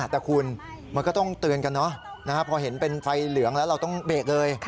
แต่คุณมันก็ต้องเตือนกันเนอะพอเห็นเป็นไฟเหลืองแล้วเราต้องเบรกเลย